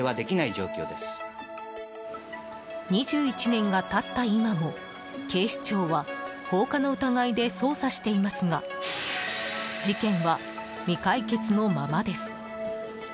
２１年が経った今も警視庁は放火の疑いで捜査していますが事件は未解決のままです。